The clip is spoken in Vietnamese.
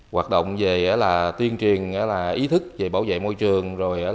hoạt động về tuyên truyền ý thức về bảo vệ môi trường